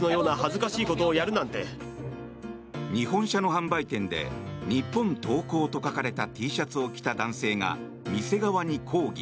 日本車の販売店で「日本投降」と書かれたＴシャツを着た男性が店側に抗議。